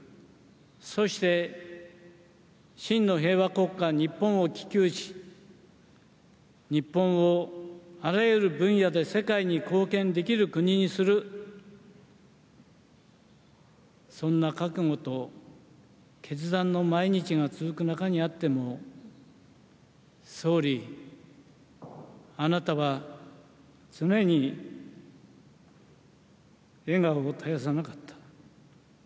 そして真の平和国家、日本を希求し日本を、あらゆる分野で世界に貢献できる国にするそんな覚悟と決断の毎日が続く中にあっても総理、あなたは常に笑顔を絶やさなかった。